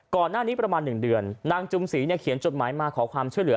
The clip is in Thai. ก่อนหน้านี้ประมาณ๑เดือนนางจุมศรีเนี่ยเขียนจดหมายมาขอความช่วยเหลือ